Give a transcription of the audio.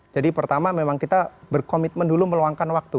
jadi pertama memang kita berkomitmen dulu meluangkan waktu